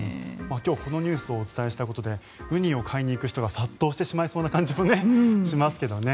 今日このニュースをお伝えしたことでウニを買いに行く人が殺到してしまいそうな感じもしますけどね。